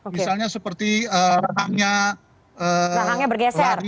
misalnya seperti belakangnya lari